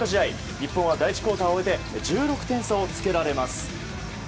日本は第１クオーターを終えて１６点差をつけられます。